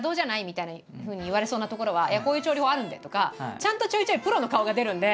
みたいなふうに言われそうなところは「いやこういう調理法あるんで」とかちゃんとちょいちょいプロの顔が出るんで。